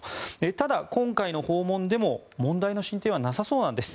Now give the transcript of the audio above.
ただ、今回の訪問でも問題の進展はなさそうなんです。